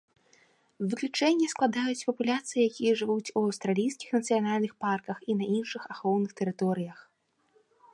Выключэнне складаюць папуляцыі, якія жывуць у аўстралійскіх нацыянальных парках і на іншых ахоўных тэрыторыях.